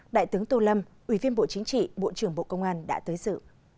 đại tướng tô lâm ủy viên bộ chính trị bộ trưởng bộ công an đã tới sự